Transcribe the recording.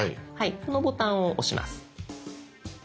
このボタンを押します。